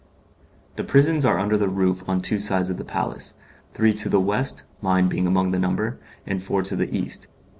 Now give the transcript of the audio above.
The prisons are under the roof on two sides of the palace; three to the west (mine being among the number) and four to the east.